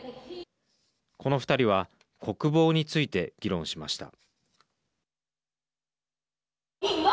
この２人は国防について議論しました。